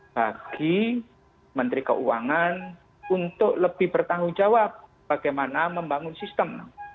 bagi menteri keuangan untuk lebih bertanggung jawab bagaimana membangun sistem